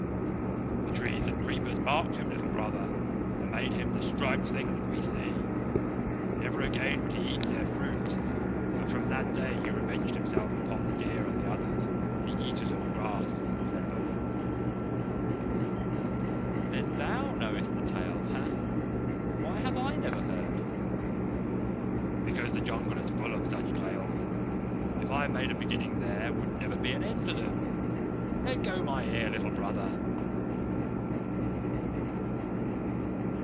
"The trees and the creepers marked him, Little Brother, and made him the striped thing that we see. Never again would he eat their fruit; but from that day he revenged himself upon the deer, and the others, the Eaters of Grass," said Baloo. "Then THOU knowest the tale. Heh? Why have I never heard?" "Because the Jungle is full of such tales. If I made a beginning there would never be an end to them. Let go my ear, Little Brother."